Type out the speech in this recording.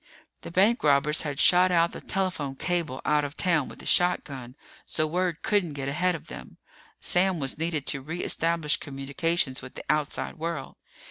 The bankrobbers had shot out the telephone cable out of town with a shotgun, so word couldn't get ahead of them. Sam was needed to re establish communications with the outside world.